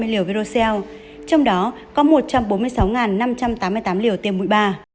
năm tám trăm hai mươi liều virocel trong đó có một trăm bốn mươi sáu năm trăm tám mươi tám liều tiêm mũi ba